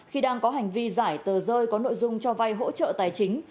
khi đang có hành vi giải tờ rơi có nội dung cho vay hỗ trợ tài chính